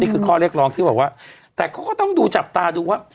ข้อเรียกร้องที่บอกว่าแต่เขาก็ต้องดูจับตาดูว่า